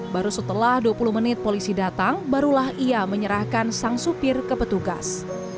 baru setelah dua puluh menit polisi datang barulah ia menyerahkan sang supir ke petugas